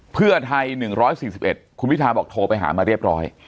เพื่อไทย๑๔๑คุณพิทาบอกโทรไปหามาเรียบร้อย